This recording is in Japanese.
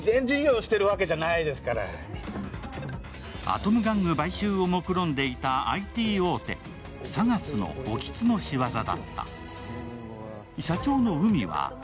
アトム玩具買収をもくろんでいたＩＴ大手、ＳＡＧＡＳの興津の仕業だった。